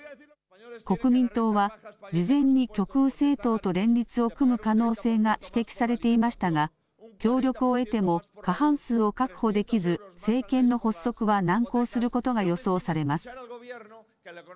国民党は事前に極右政党と連立を組む可能性が指摘されていましたが協力を得ても過半数を確保できず政権の発足は難航することが予想されます。